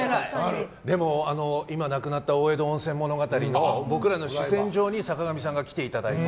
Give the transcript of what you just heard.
でも、今はなくなった大江戸温泉物語の僕らの主戦場に坂上さんが来ていただいて。